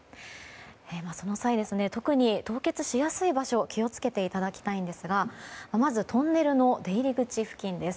その際、特に凍結しやすい場所気を付けたいただきたいんですがまず、トンネルの出入り口付近です。